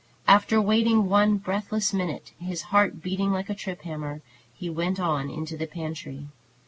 After waiting one breathless minute, his heart beating like a trip hammer, he went on into the pantry.